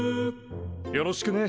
よろしくね。